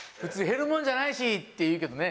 「減るもんじゃないし」って言うけどね